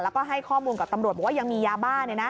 แล้วก็ให้ข้อมูลกับตำรวจบอกว่ายังมียาบ้า